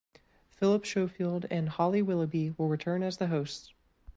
Phillip Schofield and Holly Willoughby will return as the hosts.